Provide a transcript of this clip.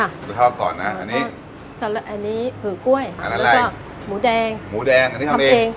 เอาไปทอดก่อนนะอันนี้อันนี้ผือกล้วยอันอะไรแล้วก็หมูแดงหมูแดงอันนี้ทำเอง